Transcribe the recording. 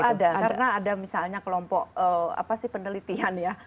karena ada misalnya kelompok apa sih penelitian ya